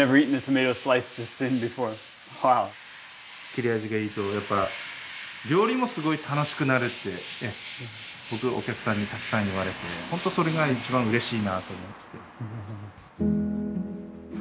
切れ味がいいとやっぱ料理もすごい楽しくなるって僕お客さんにたくさん言われて本当それが一番うれしいなと思ってて。